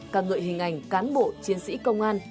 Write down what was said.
ca ngợi hình ảnh cán bộ chiến sĩ công an